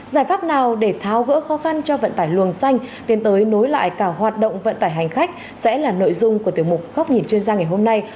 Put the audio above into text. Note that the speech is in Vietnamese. giải pháp nào để tháo gỡ khó khăn cho vận tải luồng xanh tiến tới nối lại cả hoạt động vận tải hành khách sẽ là nội dung của tiểu mục góc nhìn chuyên gia ngày hôm nay